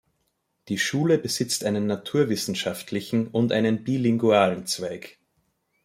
Die Schule besitzt einen naturwissenschaftlichen und einen bilingualen Zweig.